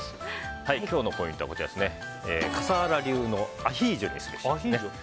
今日のポイントは笠原流のアヒージョにすべし。